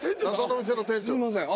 すいません。